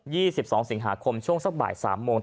ี่สิบสองสิงหาคมช่วงสักบ่ายสามโมง